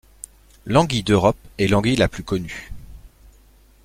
L'anguille d'Europe est l'anguille la plus connue.